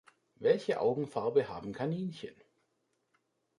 Welche Augenfarbe haben Kaninchen?